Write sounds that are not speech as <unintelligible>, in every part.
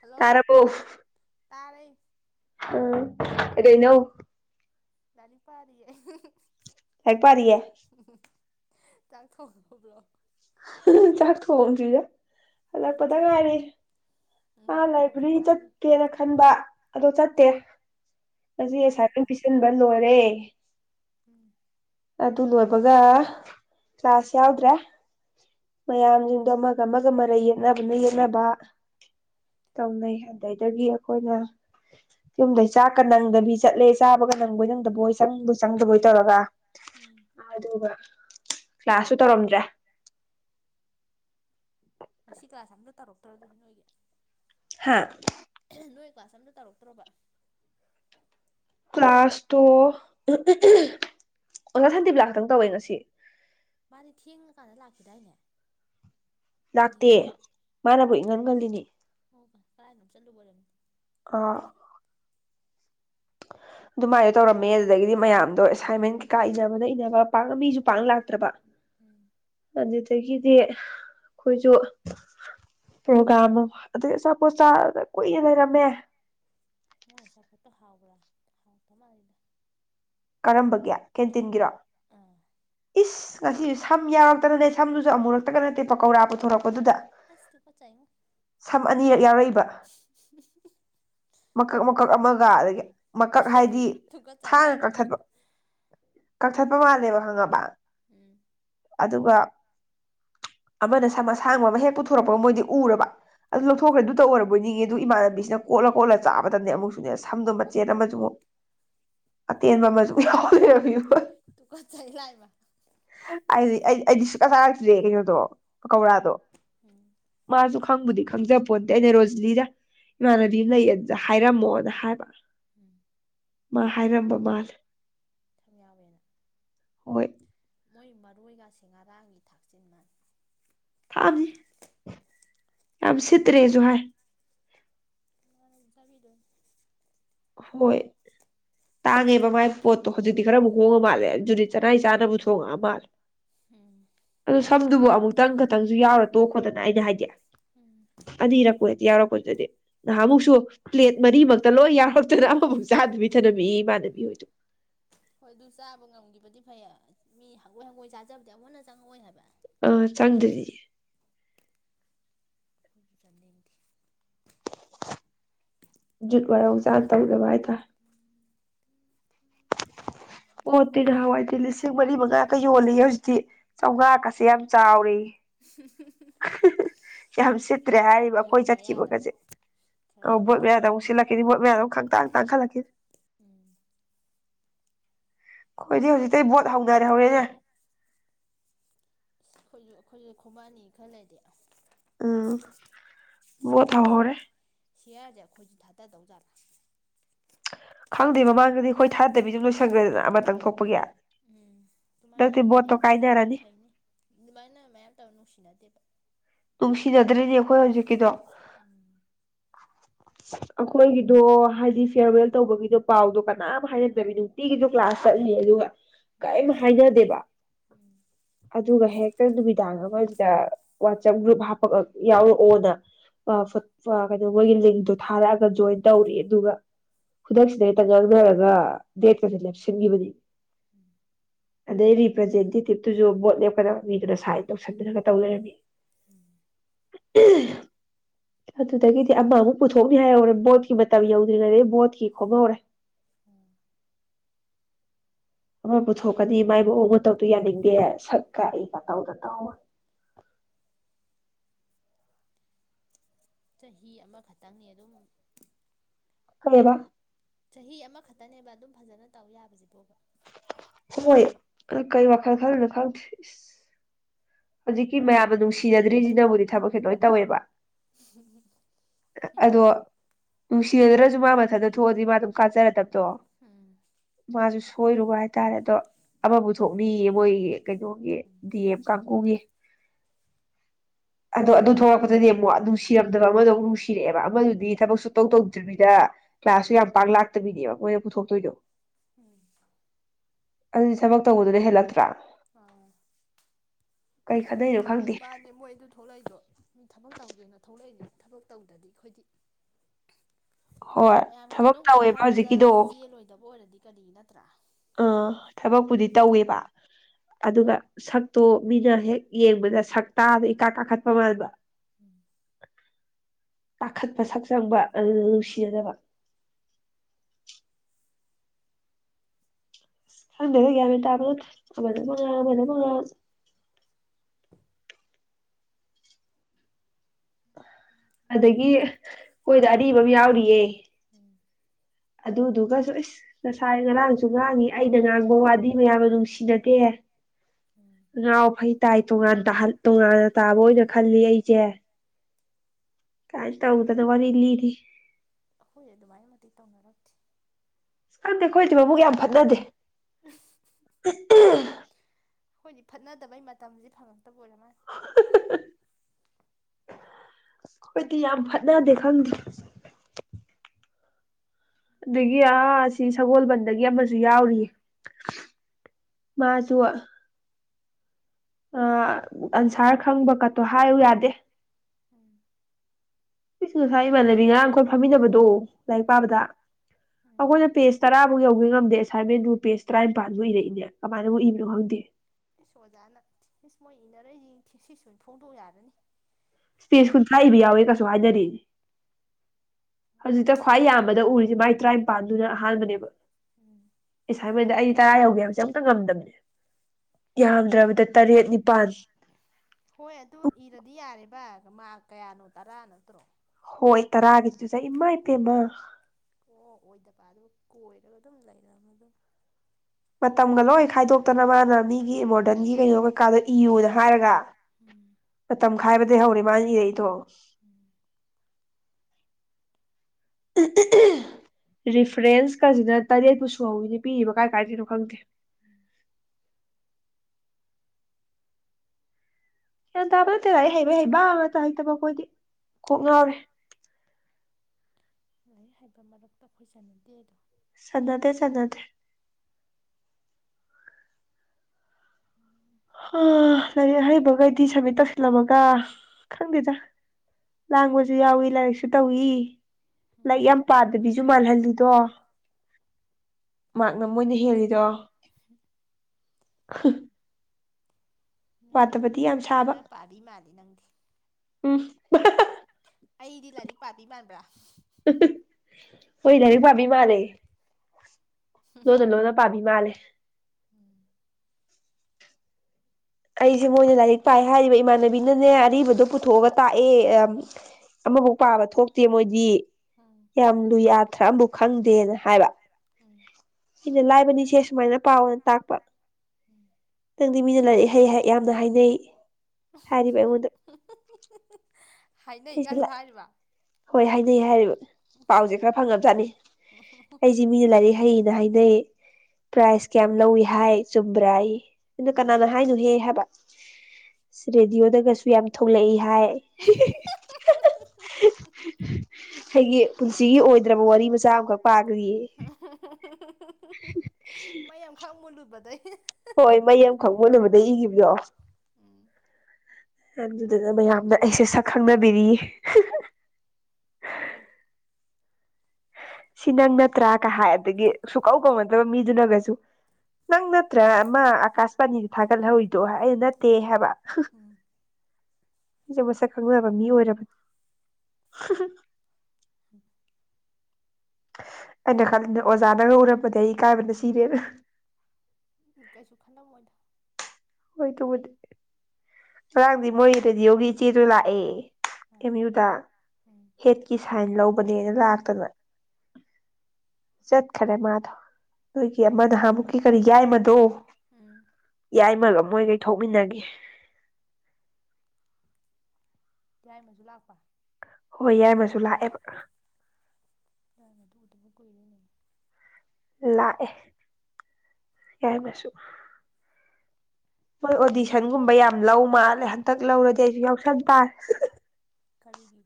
Hello ꯇꯥꯔꯕꯣ ꯇꯥꯔꯦ ꯎꯝ ꯑꯗꯨꯗꯩꯅꯣ ꯇꯅꯤ ꯄꯔꯦ ꯍꯒ ꯄꯔꯤꯌꯦ ꯇꯥꯛꯊꯣꯛꯗꯕ꯭ꯔꯣ ꯆꯥꯛ ꯊ ꯀꯟ ꯆꯖ ꯅꯪ ꯍꯜꯂꯛꯄꯗ ꯉꯁꯥꯏ ꯉꯥꯏꯔꯤ ꯃꯥ ꯎꯝ ꯂꯥꯏꯕꯦꯔꯤ ꯍꯜꯂꯛꯄꯗ ꯉꯥꯏꯔꯤ ꯆꯠꯀꯦꯅ ꯈꯟꯕ ꯑꯗꯣ ꯆꯠꯇꯦ ꯉꯁꯤ ꯀꯥꯏ ꯆꯠꯄ ꯑꯦꯁꯥꯏꯟꯃꯦꯟ ꯄꯤꯁꯤꯟꯕ ꯂꯣꯏꯔꯦ ꯎꯝ ꯑ ꯑꯗꯨ ꯂꯋꯥ ꯀꯒ ꯀ꯭ꯂ ꯀ꯭ꯂꯥꯁꯥꯁ ꯌꯥꯎꯗ꯭ꯔꯥ ꯃꯌꯥꯝꯁꯤꯡꯗꯣ ꯑꯃꯒ ꯑꯃꯒ ꯃꯔꯩ ꯌꯦꯠꯅꯕꯅ ꯌꯦꯠꯅꯕ ꯇꯧꯅꯩ ꯑꯗꯗꯒꯤ ꯑꯩꯈꯣꯏꯅ ꯌꯨꯝꯗꯩ ꯆꯥꯛꯀ ꯅꯪꯗꯕꯤ ꯆꯠꯂꯦ ꯆꯥꯕꯒ ꯅꯪꯕꯣꯏ ꯅꯪꯗꯕꯣꯏ ꯆꯪꯕꯣꯏ ꯆꯪꯗꯕꯣꯏ ꯇꯧꯔꯒ ꯎꯝ ꯑꯗꯕ ꯀ꯭ꯂꯥꯁ ꯁꯨ ꯇꯨꯔꯃꯗ꯭ꯔꯦ꯫ ꯉꯁꯤ ꯀ꯭ꯂꯥꯁ ꯑꯃꯇꯥ ꯇ꯭ꯔꯛꯠꯔꯣ ꯑꯗꯨꯗꯤ꯫ ꯍꯥꯥ ꯅꯣꯏ ꯀ꯭ꯂꯥꯁ ꯑꯃꯇꯥ ꯇ꯭ꯔꯛꯠꯔꯥ ꯕꯥ꯫ ꯀ꯭ꯂꯥꯁ ꯗꯣ ꯑꯣꯖꯥ ꯁꯥꯟꯇꯤꯕꯥꯂꯥ ꯈꯇꯥ ꯇ꯭ꯕꯦ ꯉꯁꯤ꯫ ꯃꯥꯗꯤ ꯊꯦꯡꯉꯀꯥꯟꯗ ꯂꯥꯛꯈꯤꯗꯥꯏꯅꯦ ꯂꯥꯀꯇꯦ ꯉꯜꯂꯤꯉꯩꯗ ꯃꯥꯅꯥ ꯕꯨ ꯑꯦꯉ꯭ꯒꯜ ꯉꯜꯂꯦ ꯅꯦ꯫ ꯀ ꯆꯂꯨꯣ ꯑꯦ. ꯑꯦ ꯑꯗꯨꯃꯥꯏꯅ ꯇꯧꯔꯝꯃꯦ ꯑꯗꯨꯗꯒꯤꯗꯤ ꯃꯌꯥꯝꯗꯣ ꯑꯦꯁꯥꯏꯟꯃꯦꯟ ꯀꯩꯀꯥ ꯏꯅꯕꯗ ꯏꯅꯕ ꯄꯥꯡ ꯃꯤꯁꯨ ꯄꯥꯡ ꯂꯥꯛꯇ꯭ꯔꯕ ꯎꯝ ꯑꯗꯨꯗꯥꯒꯤ ꯗꯤ ꯑꯩꯈꯣꯏꯁꯨ ꯄ꯭ꯔꯣꯒꯥ꯭ꯔꯥꯝ ꯑꯃ ꯑꯗꯒꯤ ꯑꯆꯥꯄꯣꯠ ꯆꯗ ꯀꯨꯏꯅ ꯂꯩꯔꯝꯃꯦ ꯃꯣꯏ ꯁꯄꯣꯠꯇꯣ ꯍꯥꯎꯕ꯭ꯔ ꯍꯥꯎ ꯇꯃ ꯑꯗꯨꯗ ꯀꯔꯃꯕꯥꯒꯤ ꯀꯦꯟꯇꯤꯟ ꯒꯤꯔꯣ ꯑꯥ ꯑꯦꯁ꯭ꯍ ꯉꯁꯤ ꯑꯦꯁ ꯁꯝ ꯌꯥꯎꯛꯇꯅ ꯅꯦ ꯁꯝꯗꯨꯁꯨ ꯑꯃꯨꯨꯔꯛꯇꯒ ꯅꯠꯇꯦ ꯄꯀꯧꯔꯥ ꯄꯨꯊꯣꯔꯛꯄ ꯑꯗꯨꯗꯥ ꯑꯁ ꯇꯨꯀꯠꯆꯩꯉꯣ ꯑꯦꯁꯃꯝ ꯑꯅꯤꯔꯛ ꯌꯋꯔꯀꯦꯕꯥ ꯃꯀꯛ ꯃꯀꯛ ꯑꯥꯃꯥ꯫ ꯗꯒꯦ ꯃꯀꯛ ꯍꯥꯏ ꯗꯤ ꯇꯨꯀꯠꯆꯩ ꯊꯥꯡ ꯅꯥ ꯂꯥꯏ ꯀꯛ꯫ ꯃꯃꯥꯡ ꯀꯛꯊꯠꯄ ꯀꯛꯊꯠ ꯃꯃꯜꯅꯦꯦꯕ ꯍꯪꯉꯕ ꯎꯝ ꯑꯗꯨꯒꯥ ꯑꯥꯃꯥ ꯅꯥ ꯁ꯭ꯝ ꯑꯁꯥꯡꯕꯥ ꯍꯦꯛ ꯄꯨꯊꯣꯛꯔꯀꯄꯒꯥ ꯗ ꯃꯣꯏ ꯗ ꯎꯔꯥꯕꯥ꯫ ꯑꯗꯨ ꯎꯝ ꯂꯧꯊꯣꯛꯈ꯭ꯔꯦ ꯑꯗꯨ ꯇꯧꯎꯔꯕ ꯑꯣꯏꯅꯤꯡꯉꯦ ꯑꯗꯨ ꯏꯃꯥꯟꯅꯕꯤꯁꯤꯅ ꯀꯣꯂ ꯀꯣꯠꯂ ꯆꯥꯕꯗꯅꯦ ꯑꯃꯨꯛ ꯑꯗꯨꯅ ꯁꯝꯗꯣ ꯎꯝ ꯃꯆꯦꯠ ꯑꯃꯁꯨ ꯑꯃꯨꯛ ꯇꯦꯟꯕ ꯑꯃꯁꯁꯨ ꯎꯌꯥꯎꯜ ꯂꯩꯔꯕꯤꯌꯨ ꯇꯨꯀꯠꯆꯩ ꯂꯥꯏꯃ ꯑꯩꯗꯤ ꯑꯩ ꯑꯩꯗꯤ ꯁꯨꯛꯀ ꯆꯥꯔꯛꯇ꯭ꯔꯦ ꯀꯩꯅꯣꯗꯣ ꯀꯧꯔꯥꯗꯣ ꯎꯝ ꯁꯨ ꯈꯪꯕꯨꯗꯤ ꯈꯪꯖꯕ ꯄꯣꯠꯇꯦ ꯑꯩꯅ ꯔꯣꯖꯂꯤꯗ ꯏꯃꯅꯕꯤꯅ ꯂꯩꯌꯦ ꯑꯗꯨꯗ ꯍꯥꯏꯔꯝꯃꯣꯅ ꯍꯥꯏꯕ ꯎꯝ ꯃꯥ ꯍꯥꯏꯔꯝꯕ ꯃꯥꯂꯦ ꯁꯝ ꯌꯥꯎꯋꯦꯅ ꯍꯣꯏ ꯃꯣꯏ ꯃꯔꯣꯏꯒꯁꯤꯦ ꯉꯔꯥꯡꯒꯤ ꯊꯥꯛꯆꯤꯟ ꯃꯥꯟꯅꯤ ꯊꯥꯕꯅꯤ ꯌꯥꯝ ꯁꯤꯠꯇ꯭ꯔꯦꯁꯨ ꯍꯥꯏ ꯑ ꯆꯕꯤꯗ ꯍꯣꯏ ꯇꯥꯡꯉꯦꯕ ꯃꯥꯏ ꯄꯣꯠꯇꯣ ꯍꯧꯖꯤꯛꯇꯤ ꯈꯔ ꯑꯃꯨꯛ ꯍꯣꯡꯉ ꯃꯥꯜꯂꯦ ꯖꯨꯔꯤꯠ ꯆꯅꯥꯏ ꯆꯥꯅꯕꯕꯨ ꯊꯣꯡꯉꯛꯑ ꯃꯥꯜꯂꯦ ꯎꯝ ꯑ ꯃꯣꯏ ꯁꯝꯗꯨꯕꯨ ꯑꯗꯨꯗ ꯑꯃꯨꯛꯇꯪ ꯈꯛꯇꯪꯁꯨ ꯌꯥꯎꯔ ꯇꯣꯛ ꯈꯣꯗꯅ ꯑꯩꯅ ꯍꯥꯏꯖꯦ ꯎꯝ ꯑꯗꯤ ꯏꯔꯛꯄꯣꯣꯏ ꯌꯥꯎꯔꯀꯣ ꯑꯗꯨ ꯅꯍꯥꯃꯨꯛꯁꯨ ꯄ꯭ꯂꯦꯠ ꯃꯔꯤꯃꯛꯇ ꯂꯣꯏ ꯌꯥ ꯐꯖꯅ ꯑꯃꯃꯝ ꯆꯥꯗꯨꯕꯤ ꯊꯔꯝꯃꯤ ꯏꯃꯥꯟꯅꯕꯤ ꯍꯣꯏꯗꯨ ꯍꯣꯏ ꯑꯗꯨ ꯆꯥꯕ ꯉꯝꯈꯤꯕꯗꯤ ꯐꯩꯌꯦ ꯃꯤ ꯍꯪꯒꯣꯏ ꯍꯪꯒꯣꯏ ꯆꯥꯖꯕꯗꯤ ꯑꯃꯨꯛ ꯍꯟꯅ ꯆꯪꯉꯛꯑꯣꯏ ꯍꯥꯏꯕ ꯑ ꯆꯥꯟꯗꯔꯤ ꯆꯗꯤ ꯖꯨꯠ ꯋꯥꯔꯧ ꯆꯥꯡ ꯇꯧꯗꯕ ꯍꯥꯏꯇꯥꯔꯦ ꯑꯣ ꯇꯤꯔ ꯃꯣꯏ ꯍꯋꯥꯥꯏꯗꯤ ꯂꯤꯁꯤꯡ ꯃꯔꯤ ꯃꯒ ꯀ ꯌꯣꯜꯂꯤ ꯍꯧꯖꯤꯛꯇꯤ ꯆꯝꯃꯉꯥꯀꯁꯦ ꯌꯥꯝ ꯆꯥꯎꯔꯤ ꯌꯥꯝ ꯁꯤꯠꯇ꯭ꯔꯦ ꯍꯥꯏꯔꯤꯕ ꯑꯩꯈꯣꯏ ꯕꯣꯠ ꯃꯌꯥꯗ ꯆꯠꯈꯤꯕꯒꯁꯦ ꯑꯃꯨꯛ ꯑ ꯈꯔ ꯕꯣꯠ ꯃꯌꯥꯗ ꯇꯧꯔꯛꯈꯤꯗ꯭ꯔꯥ ꯑꯃꯨꯛ ꯁꯤꯠꯂꯛꯈꯤꯅꯤ ꯕꯣꯠ ꯃꯌꯥꯗ ꯑꯃꯨꯛ ꯈꯪ ꯇꯥꯡ ꯇꯥꯡꯈꯠꯂꯛꯈꯤ ꯎꯝ ꯑꯩꯈꯣꯏꯗꯤ ꯍꯧꯖꯤꯛꯇꯇꯩ ꯕꯣꯠ ꯍꯧꯅꯔꯦ ꯍꯧꯔꯦꯅꯦ ꯑꯩꯈꯣꯏꯁꯨ ꯑꯩꯈꯣꯏꯁꯨ ꯈꯣꯡꯝꯕꯥꯟꯅꯤ ꯈꯔ ꯂꯩꯗꯤ ꯁꯤ ꯎꯝ ꯁꯤ ꯊꯥꯎ ꯍꯔꯦ ꯁꯤꯌꯥꯔꯁꯦ ꯑꯩꯈꯣꯏꯁꯨꯦ ꯊꯥꯗꯗꯧꯖꯥꯠꯂꯥ ꯈꯪꯗꯦ ꯃꯃꯥꯡꯗꯗꯤ ꯑꯩꯈꯣꯏ ꯊꯥꯗꯕꯤꯁꯨꯨꯝ ꯂꯣꯏꯁꯟꯈ꯭ꯔꯦꯗꯅ ꯑꯃꯇꯪ ꯊꯣꯛꯄꯒꯤ ꯎꯝ ꯑꯗꯨꯃꯥꯏꯅ ꯍꯟꯗꯛꯇꯤ ꯕꯣꯠꯇꯣ ꯌꯥꯅꯈꯤꯕꯅ ꯀꯥꯏꯅꯔꯅꯤ ꯐꯩꯅꯤ ꯑꯗꯨꯃꯥꯏꯅ ꯃꯌꯥꯝ ꯇꯧ ꯅꯨꯡꯁꯤꯅꯗꯦꯕ ꯨꯡꯁꯤꯖꯗ꯭ꯔꯗꯤ ꯑꯩꯈꯣꯏ ꯍꯧꯖꯤꯛꯀꯤꯗꯣ ꯎꯝ ꯑꯩꯈꯣꯏꯒꯤꯗꯣ ꯍꯥꯏꯗꯤ ꯐꯤꯌꯥꯔꯋꯦꯜ ꯇꯧꯕꯒꯤꯗꯣ ꯄꯥꯎꯗꯣ ꯀꯅꯥꯝ ꯍꯥꯏꯔꯝꯗꯕꯤ ꯅꯨꯡꯇꯤꯒꯤꯁꯨ ꯀ꯭ꯂꯥꯁ ꯆꯠꯅꯤ ꯑꯗꯨꯒ ꯎꯝ ꯀꯔꯤꯝ ꯍꯥꯏꯅꯗꯦꯕ ꯎꯝ ꯑꯗꯨꯒ ꯍꯦꯛꯇ ꯅꯨꯃꯤꯗꯥꯡꯒ ꯋꯥ ꯒ꯭ꯔꯨꯞ ꯍꯥꯄ ꯌꯥꯎꯔꯛꯑꯣꯅ ꯀꯩꯅꯣ ꯃꯣꯏꯒꯤ ꯂꯤꯡꯇꯣ ꯊꯥꯔꯛꯑꯒ ꯖꯣꯏꯟ ꯇꯧꯔꯤ ꯑꯗꯨꯒ ꯈꯨꯗꯛꯁꯤꯗꯩꯗ ꯉꯥꯡꯅꯔꯒ ꯗꯦꯠꯀꯁ ꯂꯦꯞꯁꯤꯟꯈꯤꯕꯅꯤ ꯑꯗꯩ ꯔꯤꯄ꯭ꯔꯖꯦꯟꯇꯦꯇꯤꯞꯇꯨꯁꯨ ꯣꯠ ꯂꯦꯞꯀꯗꯕ ꯃꯤꯗꯨꯅ ꯁꯥꯏꯟ ꯇꯧꯁꯟꯔꯒ ꯇꯧꯅꯔꯝꯃꯤ ꯎꯝ ꯎꯝ ꯑꯗꯨꯗꯒꯤꯗꯤ ꯑꯃ ꯑꯃꯨꯛ ꯄꯨꯊꯣꯛꯅꯤ ꯍꯥꯏꯍꯧꯔꯦ ꯕꯣꯠꯀꯤ ꯃꯇꯝ ꯌꯧꯗ꯭ꯔꯤꯉꯩꯗꯩ ꯕꯣꯠꯀꯤ ꯈꯣꯝꯍꯧꯔꯦ ꯎꯝ ꯑꯃ ꯄꯨꯊꯣꯛꯀꯗꯤ ꯃꯥꯏꯕꯨꯕ ꯇꯧꯗꯣ ꯌꯥꯅꯤꯡꯗꯦ ꯁꯛꯀ ꯑꯩꯒ ꯇꯧꯗ ꯇꯧ ꯆꯍꯤ ꯑꯃꯈꯛꯇꯪꯅꯤ ꯑꯗꯨꯝ ꯀꯔꯦꯕ ꯆꯍꯤ ꯑꯃꯈꯛꯇꯅꯦꯕ ꯑꯗꯨꯝ ꯐꯖꯅ ꯇꯧ ꯌꯥꯕꯁꯤꯕꯣꯕ ꯍꯣꯏ ꯑ ꯀꯩ ꯋꯥꯈꯜ ꯈꯜꯅꯣ ꯈꯪ ꯍꯧꯖꯤꯛꯀꯤ ꯃꯌꯥꯝꯅ ꯅꯨꯡꯁꯤꯅꯗ꯭ꯔꯤꯁꯤꯅꯕꯨꯗꯤ ꯊꯕꯛꯁꯦ ꯂꯣꯏ ꯇꯧꯋꯦꯕ ꯎꯝ ꯑꯗꯣ ꯅꯨꯡꯁꯤꯅꯗ꯭ꯔꯁꯨ ꯃꯥ ꯃꯊꯛꯇ ꯊꯣꯛꯂꯑꯗꯤ ꯃꯥ ꯑꯗꯨꯝ ꯀꯥꯆꯔꯗꯕ ꯇꯣ ꯎꯝ ꯃꯥꯁꯨ ꯁꯣꯏꯔꯨꯕ ꯍꯥꯏꯇꯥꯔꯦ ꯑꯗꯣ ꯑꯃꯕꯨ ꯊꯣꯛꯅꯤꯌꯦ ꯃꯣꯏ ꯌꯒꯤꯦ ꯎꯝ ꯗꯤ ꯄ ꯑꯗꯣ ꯑꯗꯨ ꯊꯣꯛꯂꯛꯄꯗꯗꯤ ꯑꯃꯨꯛ ꯅꯨꯡꯁꯤꯔꯝꯗꯕ ꯑꯃꯗ ꯑꯃꯨꯛ ꯅꯨꯡꯁꯤꯔꯛꯑꯦꯕ ꯑꯃꯗꯨꯗꯤ ꯊꯕꯛ ꯁꯨ ꯇꯧ ꯇꯧꯗ꯭ꯕꯤꯗ ꯀ꯭ꯂꯥꯁꯁꯨ ꯌꯥꯝ ꯄꯥꯛ ꯂꯥꯛꯇꯕꯤꯅꯦꯕ ꯃꯣꯏꯅ ꯄꯨꯊꯣꯛꯇꯣꯏꯗꯣ ꯎꯝ ꯑꯗꯨꯗꯤ ꯊꯕꯛ ꯇꯧꯕꯗꯨꯗ ꯍꯦꯜꯂꯛꯇ꯭ꯔꯥ ꯑ ꯀꯩ ꯈꯟꯅꯩꯅꯣ ꯈꯪꯗꯦ ꯃꯥꯅꯦ ꯃꯣꯏꯗ ꯊꯣꯛꯂꯛꯏꯗꯣ ꯊꯕꯛ ꯇꯧꯒꯦꯅ ꯊꯣꯛꯂ ꯗꯤ ꯊꯕꯛ ꯇꯧꯗꯗꯤ ꯑꯩꯈꯣꯏꯗꯤ ꯍꯣꯏ ꯃꯌꯥꯝꯒꯤ ꯊꯕꯛ ꯀꯩꯅꯣꯝ ꯀꯩꯅꯣꯝ ꯇꯧꯋꯦꯕ ꯍꯥꯏꯕꯗ ꯍꯧꯖꯤꯛꯀꯤꯗꯣ ꯆꯦꯜꯂꯣꯏꯗꯕ ꯑꯣꯏꯔꯗꯤ ꯀꯗꯤ ꯅꯠꯇ꯭ꯔꯥ ꯑꯥ ꯊꯕꯛꯄꯨꯗꯤ ꯇꯧꯋꯦꯕ ꯑꯗꯨꯒ ꯁꯛꯇꯣ ꯃꯤꯅ ꯍꯦꯛ ꯌꯦꯡꯕꯗ ꯁꯛ ꯇꯥꯗ ꯏꯀꯥ ꯀꯥꯈꯠꯄ ꯃꯥꯟꯕ ꯎꯝ ꯀꯥꯈꯠꯄ ꯁꯛ ꯆꯪꯕ ꯑꯗꯨ ꯅꯨꯡꯁꯤꯔꯗꯕ ꯊꯗꯒ ꯃꯤꯇ ꯑꯃꯅ ꯃꯉ ꯑꯃꯅ ꯃꯉ ꯑꯗꯒꯤ ꯑꯩꯣꯏꯗ ꯑꯔꯤꯕꯝ ꯌꯥꯎꯔꯤꯌꯦ ꯎꯝ ꯑꯗꯨꯗꯨꯒꯁꯨ ꯏꯁꯁ ꯉꯁꯥꯏ ꯉꯔꯥꯡꯁꯨ ꯉꯥꯡꯏꯤ ꯑꯩꯅ ꯉꯥꯡꯕ ꯋꯥꯗꯤ ꯃꯌꯥꯝꯅ ꯅꯨꯡꯁꯤꯅꯗꯦ ꯎꯝ ꯉꯑꯣ ꯐꯥꯏ ꯇꯥꯏ ꯇꯣꯉꯥꯟ ꯇ ꯇꯣꯉꯥꯟꯅ ꯇꯥꯕ ꯑꯣꯏꯅ ꯈꯜꯂꯤ ꯑꯩꯁꯦ ꯀꯖ ꯇ ꯎꯗꯗ ꯋꯥꯔꯤ ꯅꯗꯤ ꯑꯩꯈꯣꯏ ꯑꯗꯨꯃꯥꯏꯅ ꯃꯇꯤꯛ ꯇꯧꯅꯔꯛꯇꯦ ꯈꯪꯗꯦ ꯑꯩꯈꯣꯏꯗꯤ ꯃꯕꯨꯛ ꯌꯥꯝ ꯐꯠꯅꯗꯦ <unintelligible> ꯍꯈꯣꯏꯗꯤ ꯐꯠꯅꯗꯕꯩ ꯃꯇꯝꯁꯦ ꯐꯪꯉꯛꯇꯕ ꯑꯣꯏꯔ ꯃꯥꯜꯂꯦ ꯑꯩꯈꯣꯏꯗꯤ ꯌꯥꯝ ꯐꯠꯅꯗꯦ ꯈꯪꯗꯦ ꯑꯗꯒꯤ ꯎꯝ ꯑꯥ ꯁꯤ ꯁꯒꯣꯜꯕꯟꯗꯒꯤ ꯑꯃꯁꯨ ꯌꯥꯎꯔꯤꯌꯦ ꯃꯥꯁꯨ ꯑ ꯑꯟꯁꯥꯔ ꯈꯪꯕ ꯀꯛꯇꯣ ꯍꯥꯏꯌꯎ ꯌꯥꯗꯦ ꯎꯝ ꯏꯁ ꯉꯁꯥꯏ ꯏꯃꯥꯟꯅꯕꯤ ꯉꯔꯥꯡ ꯑꯩꯈꯣꯢ ꯐꯝꯃꯤꯟꯅꯕꯗꯣ ꯂꯥꯏꯔꯤꯛ ꯄꯥꯕꯗ ꯎꯝ ꯎꯝ ꯑꯩꯈꯣꯏꯅ ꯄꯦꯖ ꯇꯔꯥꯃꯨꯛ ꯌꯧꯒꯦ ꯉꯝꯗꯦ ꯑꯦꯁꯥꯏꯟꯃꯦꯟꯗꯨ ꯄꯦꯖ ꯇꯔꯥꯅꯤꯄꯥꯜꯗꯨ ꯏꯔꯛꯏꯅꯦ ꯀꯃꯥꯏꯅ ꯑꯃꯨꯛ ꯏꯕꯅꯣ ꯈꯪꯗꯦ ꯏꯅꯔꯛꯏꯖꯤ ꯊꯤꯁꯤꯁ ꯑꯣꯢ ꯐꯣꯡꯗꯣꯛ ꯌꯥꯔꯦ ꯄꯦꯖ ꯀꯨꯟꯊ꯭ꯔꯥ ꯏꯕ ꯌꯥꯎꯋꯦ ꯀꯩꯁꯨ ꯍꯥꯏꯅꯔꯤꯅꯦ ꯎꯝ ꯍꯧꯖꯤꯛꯇ ꯈ꯭ꯋꯥꯏ ꯌꯥꯝꯕꯗ ꯎꯔꯤꯁꯦ ꯃꯥꯏ ꯇꯔꯥꯅꯤꯄꯥꯥꯟꯗꯨꯅ ꯑꯍꯥꯟꯕꯅꯦꯕ ꯎꯝ ꯑꯦꯁꯥꯏꯃꯦꯟꯗ ꯑꯩ ꯇꯔꯥ ꯌꯧꯗꯦ ꯍꯥꯢꯕ ꯒꯦꯁꯦ ꯑꯝꯇ ꯉꯝꯗꯝꯅꯦ ꯍꯣꯏ ꯑꯗꯨ ꯏꯔꯗꯤ ꯌꯥꯔꯦ ꯕ ꯃꯥ ꯀꯌꯥꯅꯣ ꯇꯔꯥ ꯅꯠꯇ꯭ꯔꯣ ꯍꯣꯏ ꯇꯔꯥꯒꯤ ꯑꯗꯨꯁꯥꯏ ꯏꯃꯥꯏ ꯏꯇꯦꯃ ꯑꯣ ꯑꯣꯏꯗꯕ ꯑꯗꯨ ꯀꯣꯏꯔꯒ ꯑꯗꯨꯝ ꯂꯩꯔꯕ ꯑꯗꯨꯝ ꯃꯇꯝꯒ ꯂꯣꯏ ꯈꯥꯏꯗꯣꯛꯇꯅ ꯃꯥꯅ ꯃꯤꯒꯤ ꯃꯣꯗꯔꯟꯒꯤ ꯀꯩꯅꯣꯒ ꯀꯩꯀꯥꯗꯣ ꯏꯌꯨꯅ ꯍꯥꯏꯔꯒ ꯎꯝ ꯃꯇꯝ ꯈꯥꯏꯕ ꯍꯧꯔꯦ ꯃꯥ ꯏꯔꯩꯗꯣ ꯎꯝ ꯔꯤꯐ꯭ꯔꯦꯟꯁꯀꯁꯤꯅ ꯇꯔꯦꯠꯄꯨ ꯁꯨꯍꯧꯋꯤꯅꯦ ꯄꯤꯔꯤꯕ ꯀꯥꯏ ꯀꯥꯏꯗꯅꯣ ꯈꯪꯗꯦ ꯎꯝ ꯍꯒꯌꯥꯟ ꯇꯥꯕ ꯅꯠꯇꯦꯗ ꯂꯥꯏꯔꯤꯛ ꯍꯩꯕ ꯍꯩꯕ ꯉꯥꯛꯇ ꯍꯩꯇꯕ ꯑꯩꯈꯣꯏꯗꯤ ꯀꯣꯛ ꯉꯥꯎꯔꯦ ꯂꯩ ꯍꯥꯏꯕ ꯃꯔꯛꯇ ꯑꯩꯈꯣꯏ ꯆꯥꯟꯅꯗꯦ ꯑꯗꯣ ꯆꯅꯗꯦ ꯆꯅꯗꯦ ꯎꯝ ꯑ ꯂꯥꯏꯔꯤꯛ ꯑꯍꯩꯕꯒꯩ ꯗꯤ ꯁꯝꯃꯤꯠ ꯇꯧꯁꯜꯂꯝꯃꯒ ꯈꯪꯗꯦꯗ ꯂꯥꯡꯕꯁꯨ ꯌꯥꯎꯏꯤ ꯂꯥꯏꯔꯤꯛꯁꯨ ꯇꯧꯏ ꯎꯝ ꯂꯥꯏꯔꯤꯛ ꯌꯥꯝ ꯄꯥꯗꯕꯤꯁꯨ ꯃꯥꯜꯍꯜꯂꯤꯗꯣ ꯃꯥꯛꯅ ꯃꯣꯏꯅ ꯍꯦꯜꯂꯤꯗꯣ <unintelligible> ꯄꯥꯗꯕꯗꯤ ꯅꯪꯒꯤꯗꯤ ꯌꯥꯝ ꯁꯥꯕ ꯈꯔ ꯄꯥꯔꯤ ꯃꯥꯜꯂꯤ ꯅꯪꯗꯤ ꯎꯝ ꯑꯩꯗꯤ ꯂꯥꯏꯔꯤꯛ ꯄꯥꯕꯤ ꯃꯥꯟꯕ꯭ꯔꯥ ꯍꯣꯢ ꯂꯥꯢꯔꯤꯛ ꯄꯥꯕꯤ ꯃꯥꯜꯂꯦ ꯂꯣꯟꯅ ꯂꯣꯟꯅ ꯄꯥꯝꯕꯤ ꯃꯥꯜꯂꯦ ꯎꯝ ꯑꯩꯁꯦ ꯃꯣꯏꯅ ꯂꯥꯏꯔꯤꯛ ꯄꯥꯏ ꯍꯥꯏꯔꯤꯕ ꯏꯃꯥꯟꯅꯕꯤꯅꯅꯦ ꯑꯔꯤꯕꯗꯣ ꯄꯨꯊꯣꯛꯑꯒ ꯇꯥꯛꯑꯦ ꯑꯃꯐꯥꯎ ꯄꯥꯕ ꯊꯣꯛꯇꯦ ꯃꯣꯏꯗꯤ ꯎꯝ ꯌꯥꯝ ꯂꯨ ꯌꯥꯊ꯭ꯔꯥ ꯑꯃꯕꯨ ꯈꯪꯗꯦꯅ ꯍꯥꯏꯕ ꯎꯝ ꯑꯩꯅ ꯂꯥꯏꯕꯅꯤꯁꯦ ꯁꯨꯃꯥꯏꯅ ꯄꯥꯎꯅ ꯇꯥꯛꯄ ꯎꯝ ꯅꯪꯗꯤ ꯃꯤꯅ ꯂꯥꯏꯔꯛ ꯍꯩ ꯌꯥꯝꯅ ꯍꯥꯏꯅꯩ ꯍꯥꯏꯔꯤꯕ ꯑꯩꯉꯣꯟꯗ ꯁꯤꯁ ꯍꯥꯏꯅꯩꯒꯁꯨ ꯂꯥꯛꯑꯦ ꯍꯥꯏꯔꯤꯕ ꯍꯣꯏ ꯍꯥꯏꯅꯩ ꯍꯥꯏꯔꯤꯕ ꯄꯥꯎꯁꯦ ꯈꯔ ꯐꯪꯉ ꯆꯥꯅꯤ ꯑꯩꯁꯤ ꯃꯤꯅ ꯂꯥꯏꯔꯤꯛ ꯍꯩꯅꯤ ꯍꯥꯏꯅꯩ ꯄ꯭ꯔꯥꯏꯖ ꯀꯌꯥꯝ ꯂꯧꯏ ꯍꯥꯏ ꯆꯨꯝꯕ꯭ꯔꯥ ꯑꯩ ꯑꯅꯣ ꯎꯝ ꯀꯅꯥꯅ ꯍꯥꯏꯅꯨꯍꯦ ꯍꯥꯏꯕ ꯔꯦꯗꯤꯑꯣꯗꯒꯁꯨ ꯌꯥꯝ ꯊꯣꯛꯂꯛꯏ ꯍꯥꯏꯥꯏ ꯑꯩꯒꯤ ꯄꯨꯟꯁꯤꯒꯤ ꯑꯣꯏꯗ꯭ꯔꯕ ꯋꯥꯔꯤ ꯃꯆꯥ ꯑꯃꯈꯛ ꯄꯥꯒꯂꯤꯌꯦ ꯃꯥꯏ ꯌꯥꯝ ꯈꯥꯡꯃꯣꯜꯂꯨ ꯕꯥꯏ ꯍꯣꯏ ꯃꯌꯥꯝ ꯈꯪ ꯃꯨꯨꯅꯕꯗ ꯏꯈꯤꯕꯗꯣ ꯎꯝ ꯑꯗꯨꯗꯨꯅ ꯃꯌꯥꯝꯅ ꯑꯩꯁꯦ ꯁꯛ ꯈꯪꯅꯕꯤꯔꯤꯌꯦ ꯐ ꯁꯤ ꯅꯪ ꯅꯠꯇ꯭ꯔꯥꯒ ꯍꯥꯏꯥꯏ ꯑꯗꯒꯤ ꯁꯨꯀꯧ ꯀꯧꯅꯗꯕ ꯃꯤꯗꯨꯅꯒꯁꯨ ꯅꯪ ꯅꯠꯇ꯭ꯔꯥ ꯑꯃ ꯑꯀꯥꯁꯕꯥꯅꯤꯗꯨ ꯊꯥꯒꯠꯍꯧꯋꯔꯤꯗꯣ ꯑꯩ ꯅꯠꯇꯦ ꯍꯥꯏꯕ ꯎꯝ ꯑꯩꯁꯦ ꯃꯁꯛ ꯈꯪꯅꯕ ꯃꯤ ꯑꯣꯏꯔꯕꯅꯤ ꯎꯝ ꯑꯩꯅ ꯈꯜꯂꯗ ꯑꯣꯖꯥꯅꯒ ꯎꯔꯄꯗꯤ ꯑꯩ ꯏ ꯀꯥꯏꯕꯅ ꯁꯤꯔꯦꯅ ꯀꯩꯁꯨ ꯈꯟꯗꯧ ꯃꯣꯏꯗ ꯍꯣꯏ ꯇꯕꯨꯗꯤ ꯆꯔꯥꯡꯗꯤ ꯃꯣꯏꯒꯤꯗꯗꯤ ꯌꯒꯤ ꯏꯆꯦꯁꯨ ꯂꯥꯛꯑꯦ ꯑꯦꯝ ꯑꯥ ꯌꯨꯗ ꯎꯝ ꯍꯦꯠꯀꯤ ꯁꯥꯏꯟ ꯂꯧꯕ ꯍꯣꯅꯦꯅ ꯂꯥꯛꯇꯅ ꯆꯠꯈꯔꯦ ꯃꯥꯗꯣ ꯦ ꯑꯃ ꯅꯍꯥꯟꯃꯨꯛꯀꯤ ꯀꯔꯤ ꯌꯥꯏꯃꯗꯣ ꯎꯝ ꯌꯥꯏꯃꯒ ꯃꯣꯏꯒꯩ ꯊꯣꯛꯃꯤꯟꯅꯒꯦ ꯌꯥꯥꯏꯃꯁꯨ ꯂꯥꯛꯄ ꯍꯣꯏ ꯌꯥꯏꯃꯁꯨ ꯂꯥꯛꯑꯦꯕ ꯇ ꯇꯕ ꯀꯗꯤꯅꯤ ꯂꯥꯛꯑꯦ ꯌꯥꯏꯃꯁꯨ ꯃꯣꯏ ꯑꯣꯗꯤꯁꯟ ꯁꯤꯒꯨꯝꯕ ꯌꯥꯝ ꯂꯧ ꯃꯥꯜꯂꯦ ꯍꯟꯇꯛ ꯂꯧꯔꯗꯤ ꯑꯩꯁꯨ ꯌꯥꯎꯁꯟ ꯇꯥꯏ ꯈꯔꯤꯒꯤ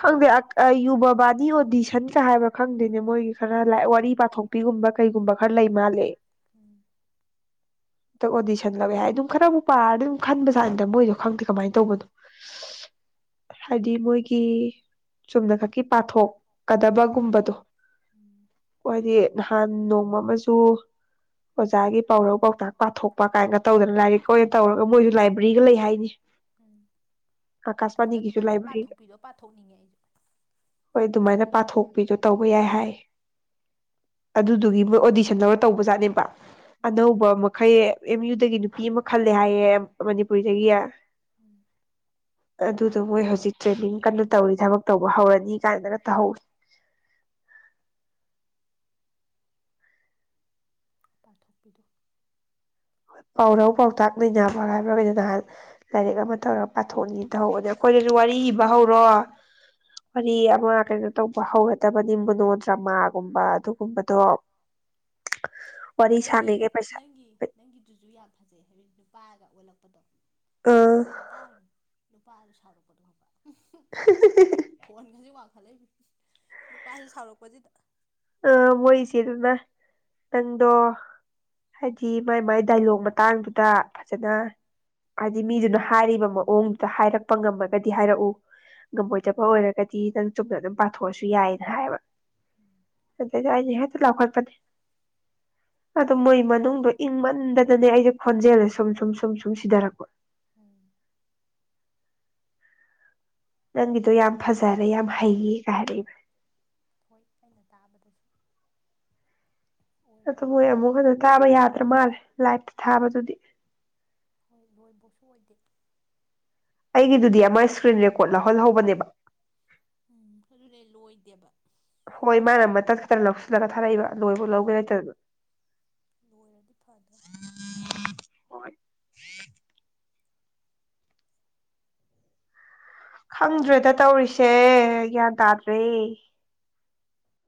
ꯈꯪꯗꯦ ꯌꯨꯕꯥꯕꯥꯅꯤ ꯑꯣꯗꯤꯁꯟꯒ ꯍꯥꯏꯕꯥ ꯈꯪꯗꯣꯏꯅꯦ ꯃꯣꯏꯒꯤ ꯈꯔ ꯂ ꯋꯥꯔꯤ ꯄꯥꯊꯣꯛꯄꯤꯒꯨꯝꯕ ꯀꯩꯒꯨꯝꯕ ꯈꯔ ꯂꯩ ꯃꯥꯜꯂꯦ ꯎꯝ ꯍꯟꯗꯛ ꯑꯣꯗꯤꯁꯟ ꯂꯧꯦ ꯍꯥꯏ ꯑꯗꯨꯝ ꯈꯔꯕꯨꯨꯛ ꯄꯥꯔꯗꯤ ꯑꯗꯨꯝ ꯈꯟꯕꯁꯥꯅꯤꯗ ꯃꯣꯏꯁꯨ ꯈꯪꯗꯦ ꯀꯃꯥꯏꯅ ꯇꯧꯕꯅꯣ ꯍꯥꯏꯗꯤ ꯃꯣꯏꯒꯤ ꯆꯨꯝꯅ ꯈ ꯀꯤ ꯄꯥꯊꯣꯛꯀꯗꯕꯒꯨꯝꯕꯗꯣ ꯎꯝ ꯍꯥꯏꯗꯤ ꯅꯍꯥꯟ ꯅꯣꯡꯃ ꯑꯃꯁꯨ ꯑꯣꯖꯥꯒꯤ ꯄꯥꯎꯔꯧ ꯄꯥꯎꯇꯥꯛ ꯄꯥꯊꯣꯛꯄ ꯀꯥꯏꯒ ꯇꯧꯗꯅ ꯂꯥꯏꯔꯤꯛ ꯑꯣꯏꯅ ꯇꯧꯔꯒ ꯃꯣꯏꯁꯨ ꯂꯥꯏꯕ꯭ꯔꯦꯔꯤꯒ ꯂꯩ ꯍꯥꯏꯅꯤ ꯑꯀꯥꯁꯐꯥꯥꯅꯤꯒꯤ ꯁꯨꯃꯥꯏꯅ ꯄꯥꯊꯣꯛꯄꯤꯔꯣ ꯄꯥꯊꯣꯛꯅꯤꯡꯉꯦ ꯑꯩꯁꯨ ꯍꯣꯏ ꯑꯗꯨꯃꯥꯏꯅ ꯄꯥꯊꯣꯛꯄꯤꯗꯣ ꯇꯧꯕ ꯌꯥꯏ ꯍꯥꯏ ꯑꯗꯨꯗꯨꯒꯤ ꯃꯣꯏ ꯑꯣꯗꯤꯁꯟ ꯂꯧꯔꯒ ꯇꯧꯕꯖꯥꯠꯅꯦꯕ ꯎꯝ ꯑꯅꯧꯕ ꯃꯈꯩ ꯑꯦꯝ ꯌꯨ <unintelligible> ꯅꯨꯄꯤ ꯑꯃ ꯈꯜꯂꯦ ꯍꯥꯏꯌꯦ ꯃꯅꯤꯄꯨꯔꯤꯗꯒꯤ <inaudible> ꯑꯗꯨ ꯑꯗꯨ ꯃꯣꯏ ꯍꯧꯖꯤꯛ ꯇ꯭ꯔꯦꯅꯤꯡ ꯀꯟꯅ ꯇꯧꯔꯤ ꯊꯕꯛ ꯇꯧꯕ ꯍꯧꯔꯅꯤ ꯀꯥꯏꯅꯒ ꯇꯧꯍꯧꯋꯤ ꯄꯥꯊꯣꯛꯄꯤꯗꯣ ꯄꯥꯎꯔꯧ ꯄꯥꯎꯇꯥꯛ ꯅꯩꯅꯕ ꯍꯥꯏꯕ꯭ꯔꯥꯒꯗꯣ ꯅꯍꯥꯟ ꯂꯥꯏꯔꯤꯛ ꯑꯃ ꯇꯧꯔꯒ ꯄꯥꯊꯣꯛꯅꯤ ꯇꯍꯧꯕꯅꯦ ꯑꯩꯈꯣꯏꯗꯁꯨ ꯋꯥꯔꯤ ꯏꯕ ꯍꯧꯔꯣ ꯋꯥꯔꯤ ꯑꯃ ꯀꯩꯅꯣ ꯇꯧꯕ ꯍꯧꯒꯗꯕꯅꯤ ꯃꯣꯅꯣ ꯗ꯭ꯔꯃꯥꯒꯨꯝꯕ ꯑꯗꯨꯒꯨꯝꯕꯗꯣ ꯋꯥꯔꯤ ꯅꯪꯒꯤ ꯁꯥꯡꯉꯤꯈꯩ ꯄꯩꯁꯥ ꯅꯪꯒꯤ ꯅꯪꯒꯤ ꯑꯗꯨꯨꯁꯨ ꯌꯥꯝ ꯐꯖꯩ ꯍꯥꯏꯗꯤ ꯅꯨꯄꯥꯒ ꯑꯣꯜꯂꯛꯄꯗꯣ ꯑ ꯍ ꯇꯔꯒ ꯂꯨꯄꯥ ꯑꯗꯨ ꯁꯥꯎꯔꯛꯄꯗꯣ ꯈꯣꯟ ꯈꯖꯤꯛ ꯋꯥꯡ ꯅꯨꯄꯥꯁꯤ ꯁꯥꯎꯔꯛꯄꯁꯤꯗ ꯑ ꯃꯣꯏꯆꯦꯗꯨꯅ ꯅꯪꯗꯣ ꯍꯥꯏꯗꯤ ꯃꯥꯏ ꯃꯥꯏ ꯗꯥꯏꯂꯣꯛ ꯃꯇꯥꯡꯗꯨꯗ ꯐꯖꯅ ꯍꯥꯏꯗꯤ ꯃꯤꯗꯨꯅ ꯍꯥꯏꯔꯤꯕ ꯃꯑꯣꯡꯗꯨꯗ ꯍꯥꯏꯔꯛꯄ ꯉꯝꯃꯒꯗꯤ ꯍꯥꯏꯔꯛꯎ ꯎꯝ ꯉꯝꯃꯣꯏꯗꯕ ꯑꯣꯏꯔꯒꯗꯤ ꯅꯪ ꯆꯨꯝꯅ ꯑꯗꯨꯝ ꯄꯥꯊꯣꯛꯑꯁꯨ ꯌꯥꯏꯌꯦꯅ ꯍꯥꯏꯕ ꯎꯝ ꯑ ꯑꯗꯤ ꯍꯦꯛꯇ ꯂꯥꯎꯈꯠꯄꯅꯤ ꯑꯗꯨ ꯃꯣꯏ ꯍꯣꯏ ꯃꯅꯨꯡꯗꯣ ꯏꯪꯃꯟꯗ ꯑꯗꯨꯅꯦ ꯑꯩꯁꯦ ꯈꯣꯟꯖꯦꯜꯁꯦ ꯁꯨꯝ ꯁꯨꯝ ꯁꯨꯝ ꯁꯨꯝ ꯁꯤꯊꯔꯛꯄ ꯎꯝ ꯅꯪꯒꯤꯗꯣ ꯌꯥꯝ ꯐꯖꯔꯦ ꯌꯥꯝ ꯍꯩꯌꯦ ꯀꯥꯏ ꯍꯥꯏꯔꯛꯏꯕ ꯍꯣꯏ ꯑꯩꯅ ꯇꯥꯕꯗꯁꯨ ꯑꯣꯏꯃ ꯑꯗꯨ ꯃꯣꯏ ꯑꯃꯨꯛ ꯍꯟꯅ ꯇꯥꯕ ꯌꯥꯗ꯭ꯔ ꯃꯥꯜꯂꯦ ꯂꯥꯏꯞꯇ ꯊꯥꯕꯗꯨꯗꯤ ꯍꯣꯏ ꯂꯣꯏꯕꯧꯁꯨ ꯑꯣꯏꯗꯦ ꯑꯩꯒꯤꯗꯨꯗꯤ ꯑꯃ ꯏꯁꯀ꯭ꯔꯤꯟ ꯔꯦꯀꯣꯔꯠ ꯂꯧꯍꯜꯍꯧꯕꯅꯦꯕ ꯎꯝ ꯑꯗꯨꯅꯦ ꯂꯣꯏꯗꯦꯕ ꯍꯣꯏ ꯃꯥꯅ ꯃꯇꯠ ꯈꯔ ꯂꯧꯁꯤꯜꯂꯒ ꯊꯥꯔꯛꯏꯕ ꯂꯣꯏꯕ ꯂꯧꯒꯦ ꯂꯩꯇꯗꯅ ꯂꯣꯏꯔꯗꯤ ꯐꯥꯗꯝ ꯈꯪꯗ꯭ꯔꯦꯗ ꯇꯧꯔꯤꯁꯦ ꯒ꯭ꯌꯥꯟ ꯇꯥꯗ꯭ꯔꯦ